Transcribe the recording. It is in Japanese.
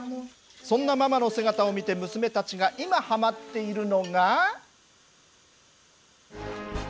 そんなママの姿を見て娘たちが今ハマっているのが。